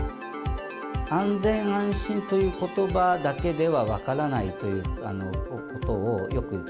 安全安心ということばだけでは分からないということをよく聞